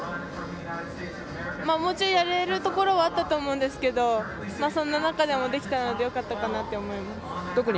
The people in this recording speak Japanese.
もうちょいやれることあったと思うんですがその中でもできたのでよかったかなと思います。